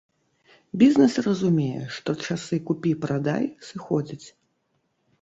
Бізнэс разумее, што часы купі-прадай сыходзяць.